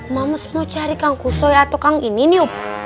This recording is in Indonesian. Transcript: mams mau cari kang kusoy atau kang inin yuk